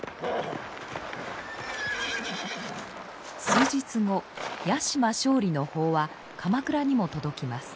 数日後屋島勝利の報は鎌倉にも届きます。